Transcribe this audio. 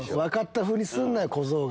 分かったふりすんな小僧。